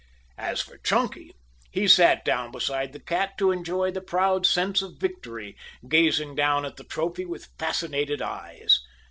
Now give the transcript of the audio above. As for Chunky, he sat down beside the cat to enjoy the proud sense of victory, gazing down at the trophy with fascinated eyes.